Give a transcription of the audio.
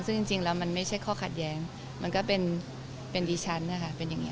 ซึ่งจริงแล้วมันไม่ใช่ข้อขัดแย้งมันก็เป็นดิฉันนะคะเป็นอย่างนี้